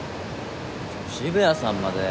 渋谷さんまで！